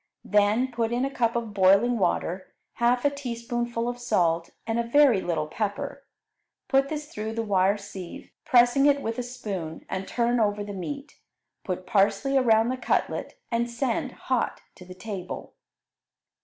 Then put in a cup of boiling water, half a teaspoonful of salt, and a very little pepper; put this through the wire sieve, pressing it with a spoon, and turn over the meat. Put parsley around the cutlet, and send hot to the table.